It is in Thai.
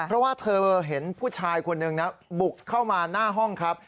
เพราะว่าเธอเห็นผู้ชายคนหนึ่งนะบุกเข้ามาหน้าห้องครับ